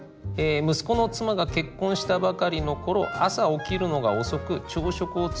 息子の妻が結婚したばかりの頃朝起きるのが遅く朝食を作らないことがあった。